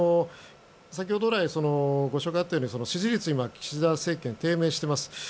先ほど来ご紹介があったように支持率が今、岸田政権低迷しています。